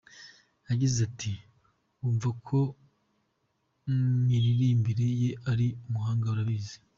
Yagize ati :”Wumva ko mu miririmbire ye ari umuhanga, arabizi !”.